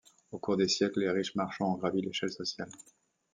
Au cours des siècles, les riches marchands ont gravi l'échelle sociale.